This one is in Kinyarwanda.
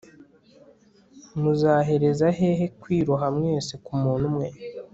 muzahereza hehe kwiroha mwese ku muntu umwe